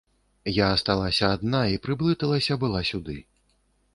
Я асталася адна і прыблыталася была сюды.